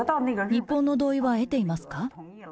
日本の同意は得ていますか。